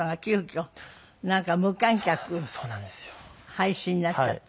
配信になっちゃって。